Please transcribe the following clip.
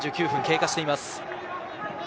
３９分が経過しています。